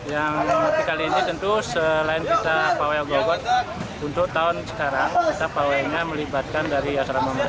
yang dikali ini tentu selain kita pawai ogo ogo untuk tahun sekarang kita pawainya melibatkan dari asal asal masyarakat kpm